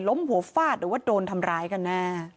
หัวฟาดหรือว่าโดนทำร้ายกันแน่